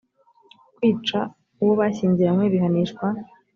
kwica uwo bashyingiranywe bihanishwa